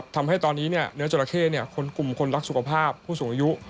ทำให้ตอนนี้เนื้อจราเข้คนกลุ่มคนรักสุขภาพผู้สูงอายุ